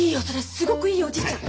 すごくいいよおじいちゃん！